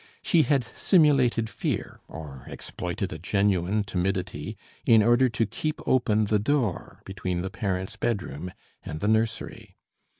She had simulated fear or exploited a genuine timidity in order to keep open the door between the parents' bedroom and the nursery.